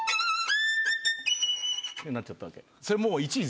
ってなっちゃったわけ。